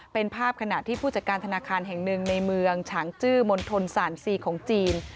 เป็นภาพขณะที่ผู้จัดการธนาคารแห่งหนึ่งในเมืองฉางจื้อมณฑลสานซีของจีน